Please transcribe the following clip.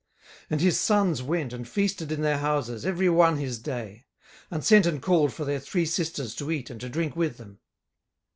18:001:004 And his sons went and feasted in their houses, every one his day; and sent and called for their three sisters to eat and to drink with them.